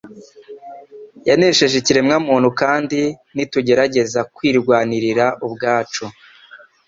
yanesheje ikiremwa muntu kandi nitugerageza kwirwanirira ubwacu,